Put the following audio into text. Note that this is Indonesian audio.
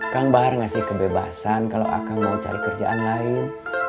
kang bar ngasih kebebasan kalau akan mau cari kerjaan lain